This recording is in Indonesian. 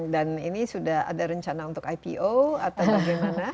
dan ini sudah ada rencana untuk ipo atau bagaimana